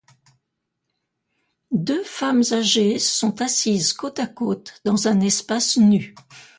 Deux femmes âgées sont assises côte-à-côte dans un espace nu.